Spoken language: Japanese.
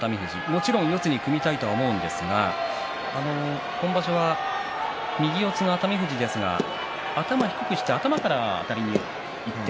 もちろん四つに組みたいとは思うんですが今場所は右四つの熱海富士ですから頭を低くして頭からあたりにいって